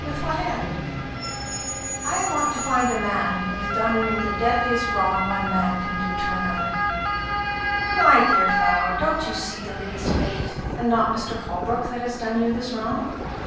With what end?" "I want to find the man who has done me the deadliest wrong one man can do another." "My dear fellow, don't you see that it is fate, and not Mr. Holbrook, that has done you this wrong?